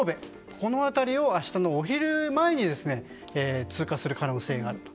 この辺りを明日のお昼前に通過する可能性があると。